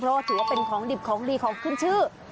เพราะว่าถือว่าเป็นของดิบของดีของขึ้นชื่อ